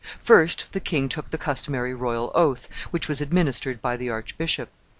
First the king took the customary royal oath, which was administered by the archbishop.